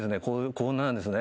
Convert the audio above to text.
こんななんですね」